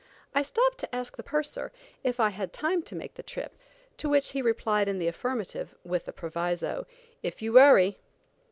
I stopped to ask the purser if I had time to make the trip, to which he replied in the affirmative, with the proviso, "If you hurry."